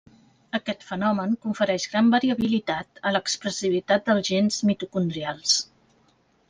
Aquest fenomen confereix gran variabilitat a l'expressivitat dels gens mitocondrials.